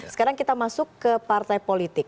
sekarang kita masuk ke partai politik